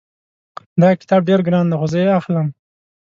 دغه کتاب ډېر ګران ده خو زه یې اخلم